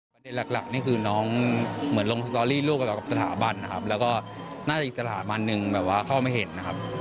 ประเด็นหลักนี่คือน้องเหมือนลงสตอรี่ร่วมกับสถาบันนะครับแล้วก็น่าจะอีกสถาบันหนึ่งแบบว่าเข้าไม่เห็นนะครับ